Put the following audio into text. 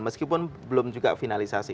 meskipun belum juga finalisasi